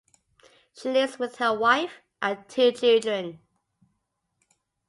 She lives with her wife and two children.